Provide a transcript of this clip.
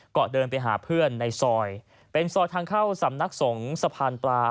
ก็เดินไปหาเพื่อนในซอยเป็นซอยทางเข้าสำนักสงฆ์สะพานปลา